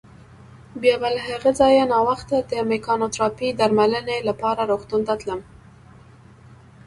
بیا به له هغه ځایه ناوخته د مېکانوتراپۍ درملنې لپاره روغتون ته تلم.